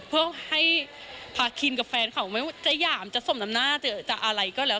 เพื่อให้พาคินกับแฟนเขาไม่ว่าจะหยามจะสมน้ำหน้าจะอะไรก็แล้ว